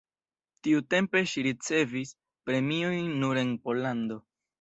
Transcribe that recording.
Tiutempe ŝi ricevis premiojn nur en Pollando.